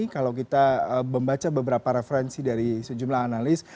kalau kita membaca beberapa referensi dari sejumlah analis